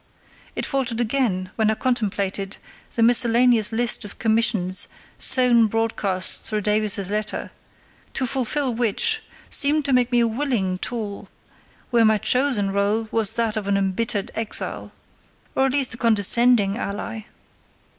It faltered again when I contemplated the miscellaneous list of commissions, sown broadcast through Davies's letter, to fulfil which seemed to make me a willing tool where my chosen rôle was that of an embittered exile, or at least a condescending ally.